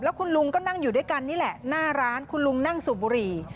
คุณลุงก็นั่งอยู่ด้วยกันนี่แหละหน้าร้านคุณลุงนั่งสูบบุหรี่